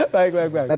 baik baik baik